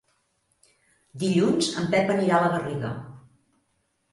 Dilluns en Pep anirà a la Garriga.